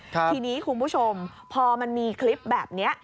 ทีนี้คุณผู้ชมพอมันมีคลิปแบบนี้